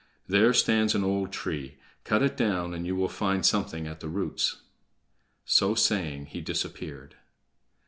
There stands an old tree; cut it down, and you will find something at the roots." So saying, he disappeared.